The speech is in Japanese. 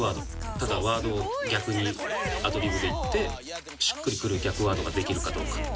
ただワードを逆にアドリブで言ってしっくりくる逆ワードができるかどうかっていう。